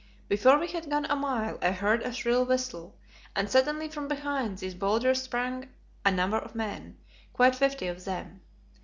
Before we had gone a mile I heard a shrill whistle, and suddenly from behind these boulders sprang a number of men, quite fifty of them.